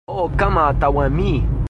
o kama tawa mi.